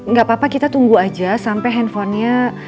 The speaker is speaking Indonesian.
nggak apa apa kita tunggu aja sampai handphonenya